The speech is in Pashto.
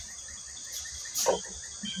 هغه وویل چې مکتب جوړ شو.